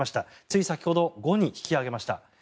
つい先ほど５に引き上げました。